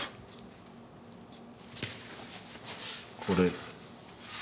これ。